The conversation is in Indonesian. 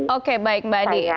oke baik mbak andi